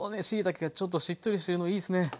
しいたけがちょっとしっとりしてるのいいですね。